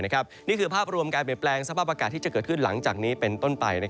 นี่คือภาพรวมการเปลี่ยนแปลงสภาพอากาศที่จะเกิดขึ้นหลังจากนี้เป็นต้นไป